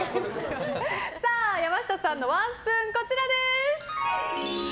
山下さんのワンスプーンこちらです。